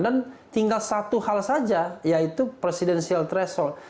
dan tinggal satu hal saja yaitu presidensial threshold